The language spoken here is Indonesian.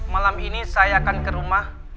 malam ini saya akan ke rumah